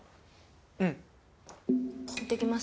うん。いってきます。